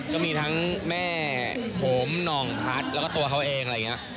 ก็มีทั้งแม่ผมหน่องพัฒน์แล้วก็ตัวเขาเองอะไรอย่างนี้